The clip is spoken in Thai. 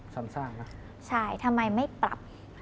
ซ้ำซากนะใช่ทำไมไม่ปรับ